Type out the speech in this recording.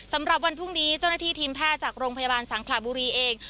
สำหรับวันพรุ่งนี้เจ้าหน้าที่ทีมแพทย์จากโรงพยาบาลสังขลาบุรีเอง